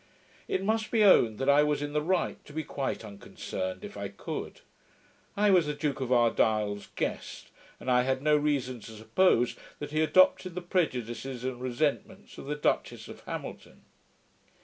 It must be owned that I was in the right to be quite unconcerned, if I could. I was the Duke of Argyle's guest; and I had no reason to suppose that he adopted the prejudices and resentments of the Duchess of Hamilton.